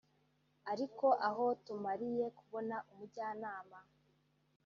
Ariko aho tumariye kubona umujyanama